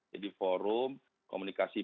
jadi forum komunikasi